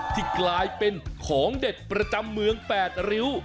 ที่กลายเป็นของเด็ดประจำเมือง๘ริ้ว